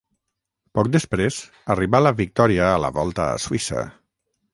Poc després arribà la victòria a la Volta a Suïssa.